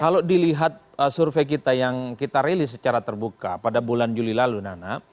kalau dilihat survei kita yang kita rilis secara terbuka pada bulan juli lalu nana